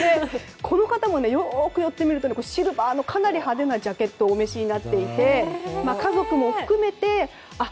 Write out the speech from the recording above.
この方もよく見るとシルバーのかなり派手なジャケットをお召しになっていて家族も含めてあっ